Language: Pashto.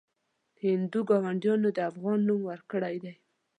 هندو ګاونډیانو د افغان نوم ورکړی دی.